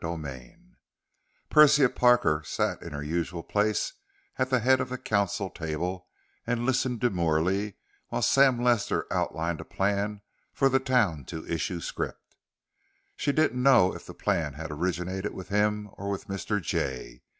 _ XVII Persia Parker sat in her usual place at the head of the council table and listened demurely while Sam Lester outlined a plan for the town to issue scrip. She didn't know if the plan had originated with him or with Mr. Jay.